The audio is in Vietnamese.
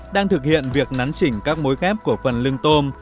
đang thực hiện việc nắn chỉnh các mối ghép của phần lưng tôm